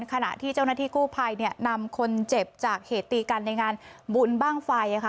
ขณะที่เจ้าหน้าที่กู้ภัยนำคนเจ็บจากเหตุตีกันในงานบุญบ้างไฟ